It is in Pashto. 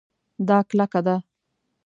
دا کلکه ده